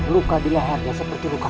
luka di laharnya seperti ruka kak